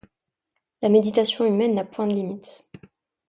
La méditation humaine n’a point de limite.